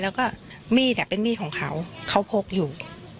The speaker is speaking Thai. แล้วก็มีดเป็นมีดของเขาเขาพกอยู่